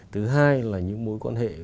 thứ hai là những mối quan hệ